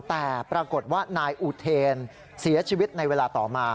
แต่ปรากฏว่านายอุเทนเสียชีวิตในเวลาต่อมา